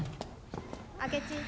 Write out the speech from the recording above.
明智。